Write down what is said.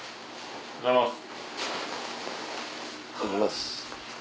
おはようございます。